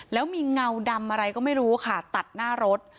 แล้วมีเงาดำอะไรก็ไม่รู้ค่ะตัดหน้ารถ